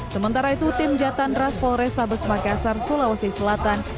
sementara itu tim jatantras polres tabes makassar sulawesi selatan